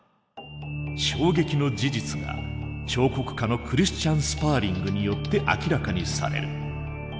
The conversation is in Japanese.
衝撃の事実が彫刻家のクリスチャン・スパーリングによって明らかにされる。